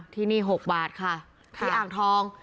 ที่นี่๖บาทค่ะที่อ่างทอง